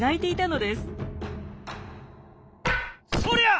そりゃ！